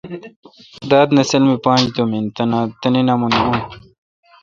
داد نسل می پانج دُوم این۔ تنے نامونے اُن۔